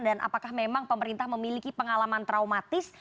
dan apakah memang pemerintah memiliki pengalaman traumatis